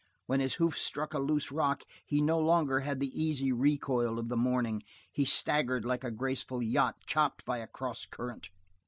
When his hoofs struck a loose rock he no longer had the easy recoil of the morning. He staggered like a graceful yacht chopped by a cross current.